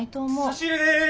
差し入れです。